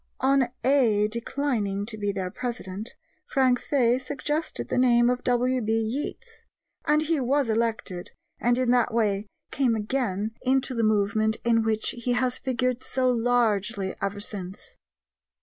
On "Æ" declining to be their president, Frank Fay suggested the name of W.B. Yeats, and he was elected, and in that way came again into the movement in which he has figured so largely ever since.